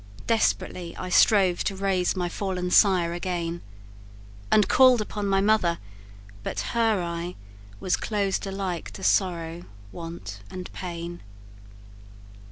Desperately I strove to raise my fallen sire again, And call'd upon my mother; but her eye Was closed alike to sorrow, want, and pain.